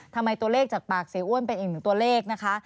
ทำไมตัวเลขจากปากเสียอ้วนเป็นอีกหนึ่งตัวเลขนะคะ